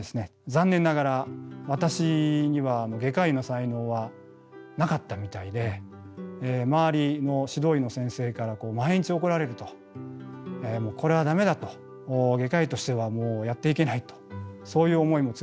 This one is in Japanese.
残念ながら私には外科医の才能はなかったみたいで周りの指導医の先生から毎日怒られるとこれはダメだと外科医としてはもうやっていけないとそういう思いも強くなりました。